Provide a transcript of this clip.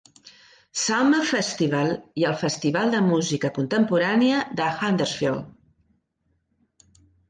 Summer Festival i al Festival de Música Contemporània de Huddersfield.